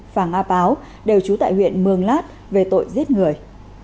phạm a báo đều trú tại huyện mường lát về tội giết người